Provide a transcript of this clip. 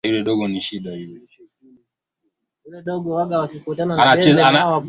Jiko na mwalimu ni nzuri sana